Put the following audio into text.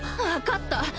分かった。